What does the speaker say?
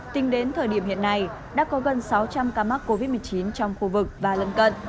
tính đến thời điểm hiện nay đã có gần sáu trăm linh ca mắc covid một mươi chín trong khu vực và lân cận